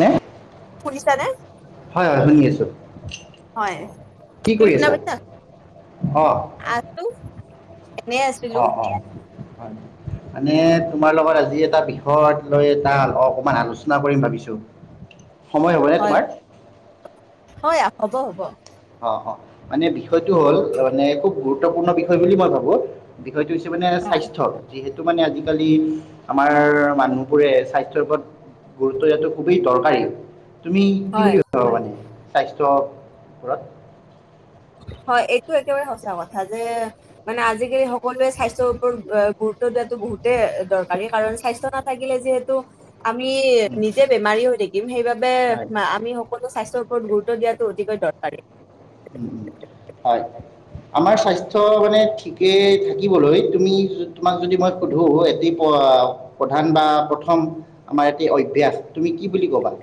নেে শুনিছানে? হয় হয় শুনি আছো হয় হয় তু শুনা পৈছা অঁ আছো এনেই আছিলো অঁ অঁ মানে তোমাৰ লগত আজি এটা বিষয়ত লৈ এটা অকমান আলোচনা কৰিম ভাবিছো সময় হ'বনে তোমাৰ হয় হ'ব হ'ব অ অ মানে বিষয়টো হ'ল মানে খুব গুৰুত্বপূৰ্ণ বিষয় বুলি মই ভাবো হয়টো হৈছে মানে স্বাস্থ্যৰ যিহেতু টো মানে আজিকালি আমাৰ মানুহবোৰে স্বাস্থ্যৰ ওপৰত গুৰুত্ব দিয়াটো খুবেই দৰকাৰী তুমি কি হয়, বুলি ভাবা মানে? স্বাস্থ্য ওপৰত? হয় এইটো একেবাৰে সঁচা কথা যে মানে আজিকালি সকলোৱে স্বাস্থ্ৰৰ ওপৰত গুৰুত্ব দিয়াতটো বহুতে দৰকাৰী কাৰণ স্বাস্থ্ৰ নাথাকিলে যিহেতু আমি উম, নিজে বেমাৰী হৈ থাকি থাকিম সেই বাবে হয় আমি সকলো স্বাস্থ্ৰ গুৰুত্ব দিয়াাতটো অধিকেই দৰকাৰী। আমাৰ স্বাস্থ্য মানে ঠিকে থাকিবলৈ তুমি তোমাক যদি মই সোধো, এটি প্ৰধান বা প্ৰথম আমাৰ এটি অভ্যাস তুমি কি বুলি কবা?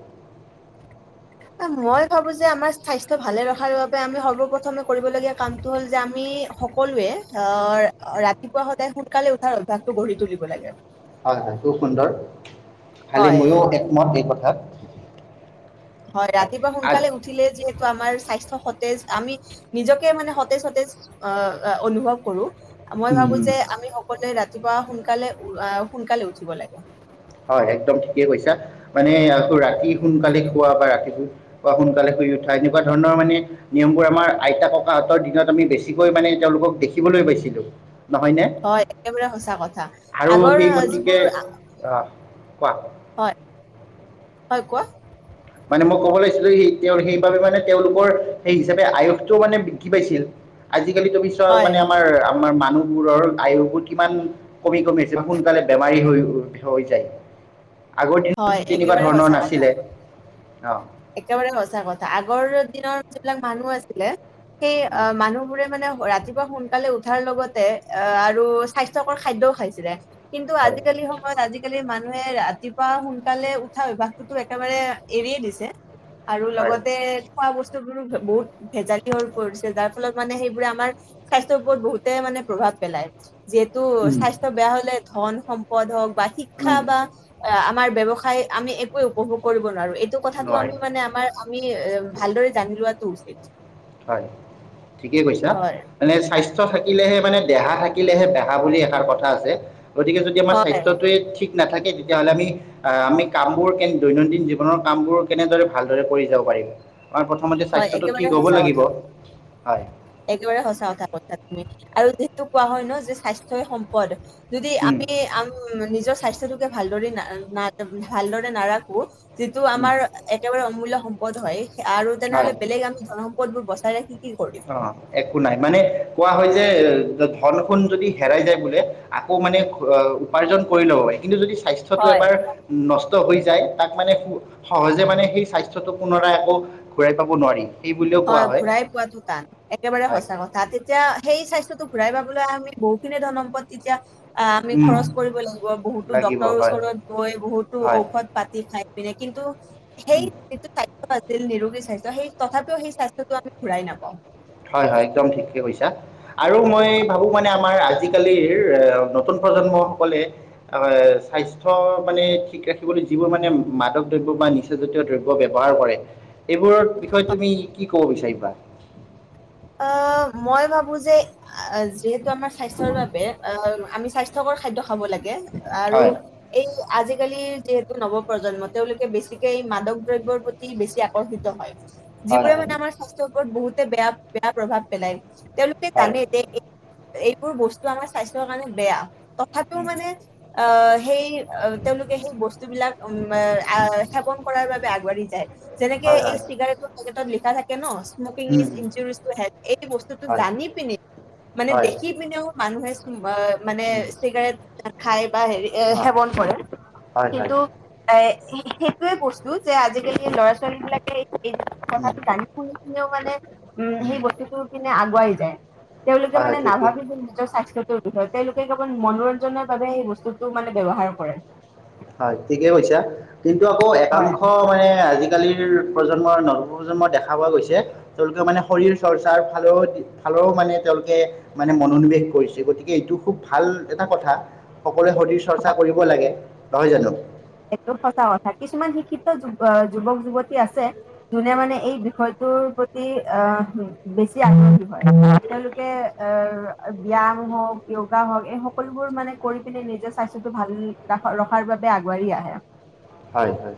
মই ভাবো যে আমাৰ স্বাস্থ্য ভালে ৰখাৰ বাবে আমি সৰ্ব প্ৰথমে কৰিবলগীয়া কামটো হ'ল যে আমি সকলোৱে আহ ৰাতিপুৱা সদায় সোনকালে উঠাৰ অভ্যাসটো গঢ়ি তুলিব লাগে। হয়-হয় খুব সুন্দৰ। খালি হয়, ময়ো একমত এই কথাত। [inaudible] হয়, ৰাতিপুৱা সোনকালে উঠিলে যিহেতু আমাৰ স্বাস্থ্য সতেজ আমি নিজকে মানে সতেজ সতেজ অহ অনুভৱ কৰো মই ভাবো উম, যে আমি সকলোৱে ৰাতি ৰাতিপুৱা সোনকালে আহ সোনকালে উঠিব লাগে। হয়, একদম ঠিকেই কৈছা মানে আকৌ ৰাতি সোনকালে খোৱা বা ৰাতিপুৱা সোনকালে শুই উঠা, এনেকুৱা ধৰণৰ মানে নিয়মবোৰ, আমাৰ আইতা, ককাহঁতৰ দিনত আমি বেছিকৈ মানে তেওঁলোকক দেখিবলৈ পাইছিলো। হয়, একেবাৰে সঁচা কথা আগৰ যিবোৰ অ' কোৱা। হয়, হয় কোৱা। মানে মই ক'ব লাগিছিলো সেই তেওঁ সেইবাবে মানে তেওঁলোকৰ, সেই হিচাপে আয়সটোও মানে বৃদ্ধি পাইছিল আজি তুমি তুমি চোৱা হয়, মানে আমাৰ, আমাৰ মানুহ মোৰৰ আয়ুসবোৰ কিমান কমি কমি আহিছে বা সোনকালে বেমাৰী হৈ হৈ যায়। আগৰ হয় দিনতো তেনেকুৱা একেবাৰে ধৰণৰ সঁচা কথা। নাছিলে। অহ। একেবাৰে সঁচা কথা, আগৰ দিনৰ যিবিলাক মানুহ আছিলে সেই অ' মানুহ বোৰে মানে ৰাতিপুৱা সোনকালে উঠাৰ লগতে অ' আৰু স্বাস্থ্যকৰ খাদ্যও খাইছিলে। কিন্তু হয় আজিকালি সময়ত আজিকালি মানুহ মানুহে ৰাতিপুৱা সোনকালে উঠা অভ্যাসটো একেবাৰে এৰিয়ে দিছে। আৰু হয় লগতে খোৱা-বস্তু বোৰো বহুত ভেজাল হৈ পৰিছে যাৰ ফলত মানে সেইবোৰে আমাৰ স্বাস্থ্যৰ ওপৰত বহুতে মানে প্ৰভাৱ পেলায়। যিহেতু উম, স্বাস্থ্য বেয়া হ'লে ধন সম্পদ হওক বা শিক্ষা উম, বা আ আমাৰ ব্যৱসায় আমি একোৱে উপভোগ কৰিব নোৱাৰো এ নোৱাৰি আমি মানে আমাৰ আমি ভালদৰে জানি লোৱাটো উচিত হয় ঠিকেই কৈছা হয়। মানে স্বাস্থ্য থাকিলেহে মানে দেহা থাকিলেহে বেহা বুলি এষাৰ কথা আছে। গতিকে যদি আমাৰ হয় স্বাস্থ্যটোৱে ঠিক। নাথাকে তেতিয়াহ'লে আমি, আমি কামবোৰ কেনেকৈ দৈনন্দিন জীৱনৰ কাম বোৰ কেনেদৰে ভালদৰে কৰি যাব পাৰিম। আমাৰ প্ৰথমতে হয় স্বাস্থ্যটো ঠিক একেবাৰে হ'ব সঁচা লাগিব কথা হয়। একেবাৰে সঁচা কথা কথা তুমি আৰু যিহেতু কোৱা হয় ন যে স্বাস্থ্য়ই সম্পদ যদি উম, আমি আম নিজ স্বাস্থ্যটোকে ভালদৰে ন ন ভালদৰে নাৰাখো যিটো উম, আমাৰ একেবাৰে মূল্য সম্পদ হয় আৰু হয় তেনেহ'লে বেলেগ আমি ধন সম্পদ বোৰ বস্তা ত কি কি কৰিম অ একো নাই মানে কোৱা হয় যে ধন খু যদি হেৰাই যায় বোলে আকৌ মানে উপাৰ্জন কৰি ল'ব পাৰি কিন্তু যদি স্বাস্থ্্যটো হয় এবাৰ নষ্ট হৈ যায় তাক মানে সহজে মানে সেই স্বাস্থ্্যটো পুনৰা একৌ ঘূৰাই পাব নোৱাৰি এই বুলিুলিও কোৱা হয় জ একেবাৰে হয় সঁচা কথা তেতিয়া সেই স্বাস্থ্্যটো ঘূৰাই পাবলৈ আমি বহুখিনি ধৰম্পদ তেতিয়া আহ আমি উম খৰচ কৰিব লাগিব বহুতো লাগিব ডক্তৰৰ হয় ওচৰত গৈ বহুতো হয় ঔষধ পাতি খাই পিনে কিন্তু সেই উম। যিটো স্বাস্থ ছিল নিৰোগী স্ব্থ্য সেই তথাপিও সেই স্বাস্থ্যতো আম ঘূৰাই নাপাওঁ হয় হয় একদম ঠিকে কৈছা আৰু মই ভাবো মানে আমাৰ আজিকালিৰ এ নতুন প্ৰজন্ম সকলে আহ স্বাস্থ্্য মানে ঠিক ৰাখিবলৈ যিবোৰ মানে মাদক দ্ৰব্য বা নিচাজাতীয় দ্ৰব্য ব্যৱহাৰ কৰে এইবোৰৰ বিষয়ে তুমি কি ক বিিষাবাৰ অ মই ভাবো যে যিহেতু আমাৰ স্বাস্থ্যৰ বাবে আমি স্বাস্থ্যকৰ খাদ্য হ'ব লাগে আৰু হয় এই আজিকালি যিহেতু নৱ প্ৰ্ৰজন্ম তেওঁলোকে বেছিকে এই মাদক দ্ৰব্যৰ প্ৰতি বেছি আকৰ্ষিত হয় হয় যিবোৰে হয় মানে আমাৰ স্বাস্থ্য বহুতে বেয়া বেয়া প্ৰভাৱ পেলায় তেওঁলোকে হয় হয় জানে এইবোৰ বস্তু আমাৰ স্বাস্থ্যৰ কাৰণে বেয়া তথাপিও মানে আ সেই অ তেওঁলোকে সেই বস্তু বিলাক উম সেৱন কৰাৰ বাবে আগবাঢ়ি যায় যেনেকে হয় এই হয় চিগাৰেটৰ পেটত লিখা থাকে কেনছ সমকিন উম, ইছ উম, ইঞ্জুৰ এই বস্তুতটো হয় জানি পিনেি মানে হয় দেখি পিনেও মানু [unintelligible] অ মানে উম, চিগাৰেট খাই বা হেৰি এ অ, সেৱন কৰে হয় হয় কিন্তু এে সে সাইটো এ কৈছো যে আজিকালি ল'ৰা ছোৱালী বিলাকে উম, [inaudible] সি মনে উম সেই বস্তুটোৰ পিনে আগুৱাই যায়ে যেনে তেওঁলোকে হয় হয় মানে ঠিকেই নাভাবে নিজৰ স্বাস্থ্যটোৰ তেওঁলোকে কেৱল মনোৰঞ্জনৰ বাবে সেই বস্তুটো মানে ব্যৱহাৰ কৰে হয় থিকেই কৈছা কিন্তু আকৌ হয় একাংশ মানে আজিকা আজিকালিৰ প্ৰজন্মৰ নৱপ্ৰজন্ম দেখা পোৱা গৈছে তেওঁলোকে মানে শৰীৰ চৰ্চাৰ ফালে ফালৰও মানে তেওঁলোকে মানে মনোনিৱেশ কৰিছে গতিকে এইটো খুব ভাল এটা কথা সকলোৱে শৰীৰ চৰ্চা কৰিব লাগে নহয় জানো এইটো সঁচা কথা কিছুমান শিক্ষিত যুৱক যুৱতী আছে জুনে মানে এই বিষয়টোৰ প্ৰতি আহ বেছি আগ্ৰহী হয় তেওঁলোকে আহ ব্য়াম হওক য়োগা হওক এই সকলোবোৰ মানে কৰি পিনে নিজৰ স্বাস্থ্যটো ভাল ৰখাৰ আগ বৰি আহে হয় হয়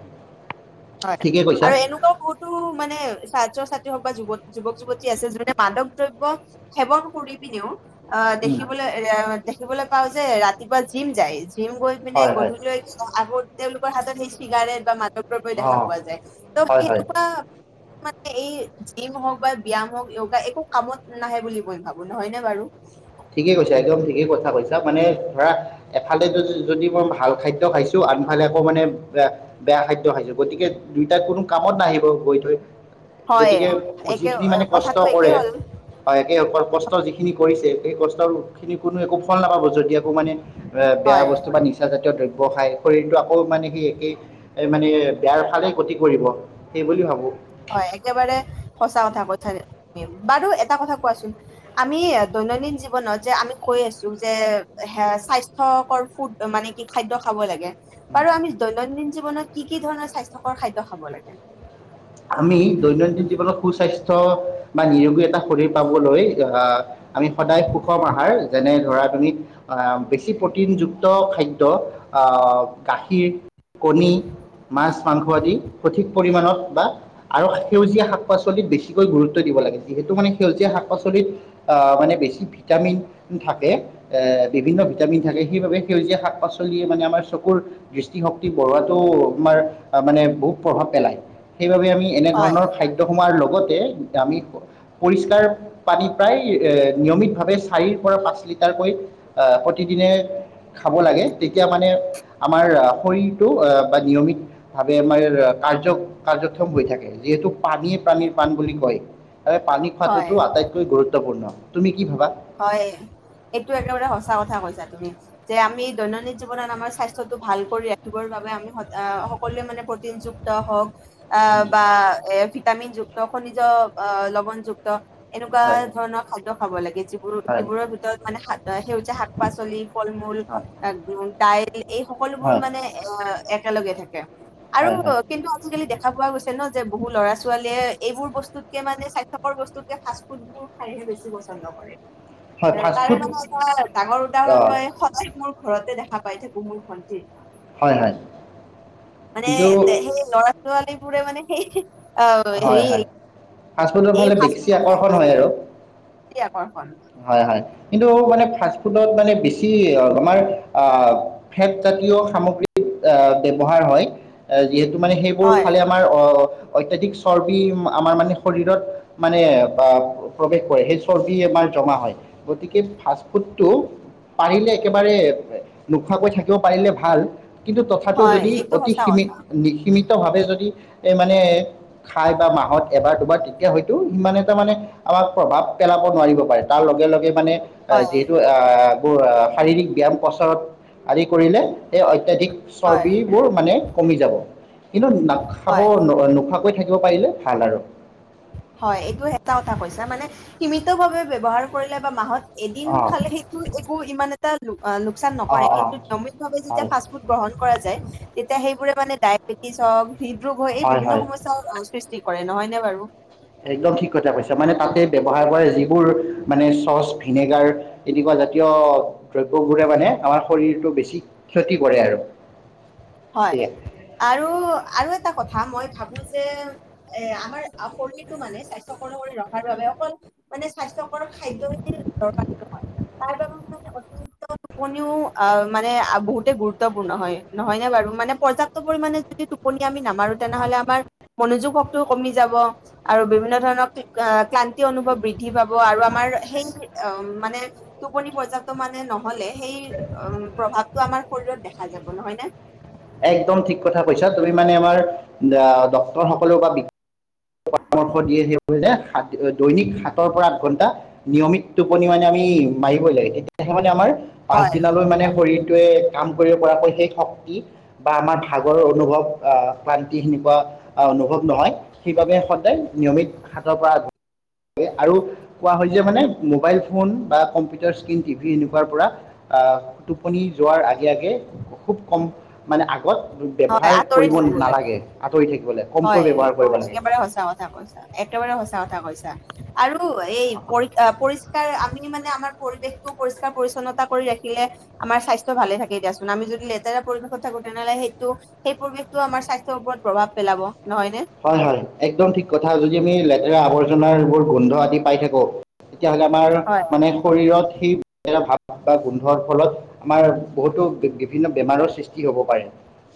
হয় ঠিকে কৈছা আৰু এনেকুৱাও বহুতো মানে ছাত্ৰ ছাত্ হওক বা যুৱক যুৱতী আছে যোনে মাদক দ্ৰব্য সেৱন কৰি পিনেও অ উম, দেখিবলৈ এ দেখিবলৈ দেখা পও যে ৰাতিপুৱা যিম যাই জিম গৈ পিনে হয় হয় গধূলি লৈ আগত তেওঁলোকে হাতত সেই চিগাৰেট বা মাদক দ্ৰব্য দেখা অঁ পোৱা যায় তো হয় হয় সনেকুৱা মানে এই জিম হওক বা ব্যায়াম হওঁক য়োগা একো কামত নাহে বুলি মই ভাবো নহয় নে বাৰু ঠিকেই কৈছা একদম ঠিকেই কথা কৈছা মানে ধৰা এফালে যদি মই ভাল খাদ্য খাইছো আনফালে আকৌ মানে ব বেয়া খাদ্য খাইছো গতিকে দুইটাত কোনো কামত নাহিব গৈ থৈ হয় গতিকে একে যিখিনি মানে কষ্ট কথাটো একেই কৰে হ'ল একেসকল কষ্ট যিখিনি কৰিছে- সেই কষ্ট, খিনি কোনো একো ফল নাপাব যদি আকৌ মানে- বে, বেয়া হয় বস্তু বা নিচা জাতীয় দ্ৰব্য- ব খায়, শৰীৰৰটো আকৌ মানে কি একেই এ মানে বেয়াৰ ফালে গতি কৰিব। হেই বুলি ভাবোঁ। হয়। একেবাৰে সচাঁ কথা কৈছে। বাৰু এটা কথা কোৱাচোন আমি দৈনন্দিন জীৱনত যে আমি কৈ আছো যে স্বাস্থ্যকৰ ফুড মানে কি খাদ্য খাব লাগে বাৰু আমি দৈনন্দিন জীৱনত কি কি ধৰণৰ স্বাস্থ্যকৰ খাদ্য খাব লাগে? আমি দৈনন্দিন জীৱনত সুস্বাস্থ্য বা নিৰোগী এটা শৰীৰ পাবলৈ আহ আমি সদায় সুষম আহাৰ, যেনে ধৰা তুমি আহ বেছি প্ৰটিনযুক্ত খাদ্য আহ গাখীৰ কণী, মাছ, মাংস আদি সঠিক। পৰিমাণত বা আৰু সেউজীয়া শাক-পাচলিত বেছিকৈ গুৰুত্ব দিব লাগে যিহেতু মানে সেউজীয়া শাক পাচলিত আহ মানে বেছি ভিটামিন থাকে এ বিভিন্ন ভিটামিন থাকে সেইবাবে সেউজীয়া শাক পাচলিয়ে মানে আমাৰ চকুৰ দৃষ্টিশক্তি বঢ়োৱাটো আমাৰ মানে বহুত প্ৰভাৱ পেলায়। সেইবাবে আমি হয় এনেধৰণৰ খাদ্য সোমাৰ লগ- আগতে আমি পৰিষ্কাৰ পানীত- প্ৰায় নিয়মিতভাৱে চাৰিৰ পৰা পাঁচ লিটাৰকৈ প্ৰতিদিনে খাব লাগে। তেতিয়া মানে আমাৰ শৰীৰটো বা নিয়মিতভাৱে আমাৰ কাৰ্য- কাৰ্যক্ষম হৈ থাকে যিহেতু পানীয়ে প্ৰাণীৰ প্ৰাণ বুলি কয়। এ পানী হয় খোৱাটোতো আটাইতকৈ গুৰুত্বপূৰ্ণ। তুমি কি ভাবা হয় এইটো একেবাৰে সঁচা কথা কৈছা তু মি, যে আমি দৈনন্দিন জীৱনত আমাৰ স্বাস্থ্যটো ভাল কৰি ৰাখিবৰ বাবে আমি স, সকলোৱে মানে প্ৰটিনযুক্ত হওঁক- অ বা এ ভিতামিন যুক্ত খনিজ অ' লৱণযুক্ত এনেকুৱা হয় ধৰণৰ খাদ্য খাব লাগে, যি- হয় সিবোৰৰ ভিতৰত মানে সেউজীয়া শাক-পাচলি, ফল- মূল, হয় দাইল এই সকলোবোৰ হয় মানে এ একেলগে থাকে। আৰু হয় হয় কিন্তু আজিকালি দেখা পোৱা গৈছে ন যে বহু ল'ৰা ছোৱালীয়ে এইবোৰ বস্তুতকে মানে স্বাস্থ্যকৰ বস্তুতকে ফাষ্টফুড বোৰ খাইহে বেছি পচন্দ কৰে। হয় এ' তাৰে ফাষ্টফুড মানে এটা ডাঙৰ উদাহৰণ অঁ মই সদায় মোৰ- ঘৰতে দেখা পাই থাকো মোৰ ভন্টি- হয় হয় মানে কিন্তু এ সেই লৰা-ছোৱালী এতিয়া মানে সেই অ' হয় হেৰি হয় ফাষ্টফুডৰ এই ফালে ফাষ্ট বেছি ফুড আকৰ্ষণ বেছি আকৰ্ষণ। হয়-হয়, কিন্তু- বহুত মানে ফাষ্টফোডত মানে বেছি আমাৰ আ ফেট জাতীয় সামগ্ৰী ব্যবহাৰ হয়। যিহেতু মানে সেইবোৰ হয় খালে আমাৰ আ অত্যাধিক চৰ্বি আমাৰ মানে শৰীৰত মানে প্ৰৱেশ কৰে সেই চৰ্বি আমাৰ জমা হয় গতিকে ফাষ্টফুডটো পাৰিলে একেবাৰে নোখোৱাকৈ থাকিব পাৰিলে ভাল কিন্তু তথাপি হয় যদি এইটো অতি সঁচা সীমিত কথা সীমিতভাৱে যদি এই মানে খাই বা মাহত এবাৰ দুবাৰ তেতিয়া হয়তো সিমান এটা মানে আমাক প্ৰভাৱ পেলাব নোৱাৰিব পাৰে তাৰ লগে লগে মানে অ হয় যিহেতু আ শাৰীৰিক ব্যায়াম প্ৰচাৰত আদি কৰিলে এই অত্যাধিক হয় চৰ্বিবোৰ মানে কমি যাব কিন্তু নাখাব হয় নোখোৱা দিব পাৰিলো ভাল আৰু হয় এইটো এটা কথা কৈছা মানে সীমিত ভাৱে ব্যৱহাৰ কৰিলে বা মাহত এদিন অঁ খালে সেইটো একো ইমান এটা অ লোকচান অঁ নকৰে অঁ কিন্তু নিয়মিতভাৱে যেতিয়া হয় ফাষ্ট ফুড গ্ৰহণ কৰা যায় তেতিয়া সেইবোৰে মানে ডায়েবেটিছ হওক হৃদৰোগ হয় এই বিভিন্ন সমস্যা কৰে নহয়নে বাৰু একদম ঠিক কথা কৈছা মানে তাতে ব্যৱহাৰ কৰা এইবোৰ মানে চচ ভিনেগাৰ এনেকুৱা জাতীয় দ্ৰব্যবোৰে মানে আমাৰ শৰীৰটো বেছি ক্ষতি কৰে আৰু হয় সেয়া আৰু আৰু এটা কথা মই ভাবো যে এ আমাৰ শৰীৰটো মানে স্বাস্থ্যয়কৰ কৰি ৰখাৰ বাবে অকল মানে স্বাস্থ্যকৰ খাদয়ই তাৰ বাবে মানে অতিৰিক্ত টোপনিও আহ মানে বহুতে গুৰুত্বপূৰ্ণ হয় নহয় বাৰু মানে পৰ্যাপ্ত পৰিমানে যদি টোপনি আমি নামাৰো তেনেহলে আমাৰ মনোযোগ শক্তিও কমি যাব আৰু বিভিন্ন ধৰণৰ ক্লান্তি অনুভৱ বৃদ্ধি পাব আৰু আমাৰ সেই মানে টোপনি পৰ্যাপ্ত মানে নহলে সেই প্ৰভাৱটো আমাৰ শৰীৰত দেখা যাব নহয় নে একদম ঠিক কথা কৈছা তুমি মানে আমাৰ ডক্তৰ সকলেও বা পৰামৰ্শ দিয়ে সেই যে দৈনিক হাতৰ পৰা আঠ ঘণ্টা নিয়মিত টোপনি মানে আমি মাৰিবই লাগে এতিয়াহে মানে আমাৰ পাচ হয় দিনলৈ মানে শৰীৰটোৱে কাম কৰিব পৰাকৈ সেই শক্তি বা আমাৰ ভাগৰ অনুভৱ আহ ক্লান্তি সনেকুৱা অনুভৱ নহয় সেইবাবে সদায় নিয়মিত হাতৰ পৰা আৰু কোৱা হয় যে মানে মোবাইল ফোন বা কম্পিউটাৰ স্ক্ৰীণ টিভি এনেকুৱাৰ পৰা টোপনি যোৱাৰ আগে আগে খুব কম মানে আগত হয় ব্যৱহাৰ আঁতৰি কৰিব থাকিব লাগে নালাগে আঁতৰি থাকিব লাগে কমকৈ হয় ব্যৱহাৰ কৰিব লাগে একেবাৰে সঁচা কথা কৈছা একেবাৰে সঁচা কথা কৈছা আৰু এই পৰি আমি মানে আমাৰ পৰিৱেশটো পৰিষ্কাৰ পৰিচ্ছন্নতা কৰি ৰাখিলে আমাৰ স্বাস্থ্য ভাল থাকে দিয়াচোন আমি যদি লেতেৰা পৰিৱেশত থাকো তেনেহ'লে সেই ত' সেই পৰিৱেশতো আমাৰ স্বাস্থ্যৰ ওপৰত প্ৰভাৱ পেলাব নহয় নে হয় হয় একদম ঠিক কথা যদি আমি লেতেৰা আৱৰ ঘাৰ বোৰ গোন্ধ আদি পাই থাকো তেতিয়াহলে আমাৰ হয় মানে শৰীৰত সি ভাত [unintelligible] গোন্ধৰ ফলত আমাৰ বহুতো বিভিন্ন বেমাৰৰ সৃষ্টি হ'ব পাৰে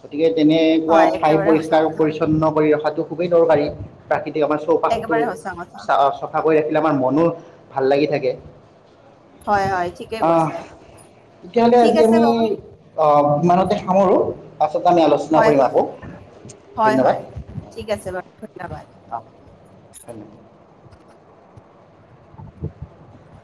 গতিকে তেনেকুৱা হয় ঠাই একেবাৰে সঁচা পৰিষ্কাৰ কথা পৰিচ্ছন্ন কৰি ৰখাত খুবেই দৰকাৰী প্ৰৃ আমাৰ চৌপাশটো একেবাৰে সঁচা কথা চ-চফা কৰি ৰাখিলে আমাৰ মন মানুহ ভাল লাগি থাকে। হয় হয় ঠিকে অ, কৈছা তেতিয়াহলে ঠিক আজি আছে আমি বাৰু অ ইমানতে সামৰো। আমি আলোচনা হয় কৰিম হয় আকৌ হয় ধন্যবাদ। হয় ঠিক আছে বাৰু আহ, ধন্যবাদ। ধন্যবাদ অ।